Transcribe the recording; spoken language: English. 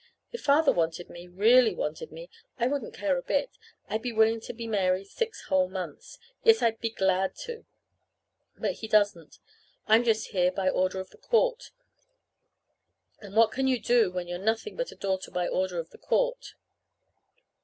If Father wanted me, really wanted me, I wouldn't care a bit. I'd be willing to be Mary six whole months. Yes, I'd be glad to. But he doesn't. I'm just here by order of the court. And what can you do when you're nothing but a daughter by order of the court?